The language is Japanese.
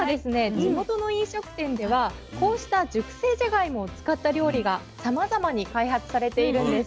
地元の飲食店ではこうした熟成じゃがいもを使った料理がさまざまに開発されているんです。